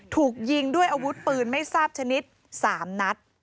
ถูกยิงด้วยอาวุธปืนไม่ทราบชนิด๓นัด